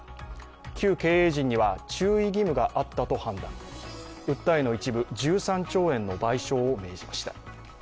旧経営陣には注意義務があったと判断、訴えの一部、１３兆円の賠償を明示しました。